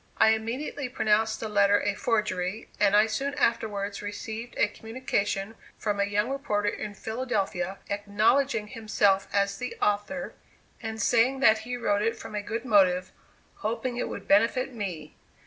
I immediately pronounced the letter a forgery, and I soon afterwards received a communication from a young reporter in Philadelphia acknowledging himself as the author, and saying that he wrote it from a good motive, hoping it would benefit me.